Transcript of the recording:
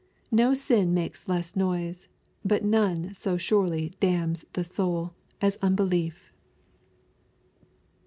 No sin makes less noise, but none so surely damns the soul, as unbelief.